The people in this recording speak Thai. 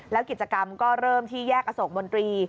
แล้วกิจกรรมก็เริ่มที่แยกอโศกมนตรี